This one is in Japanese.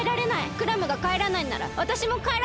クラムがかえらないんならわたしもかえらないから！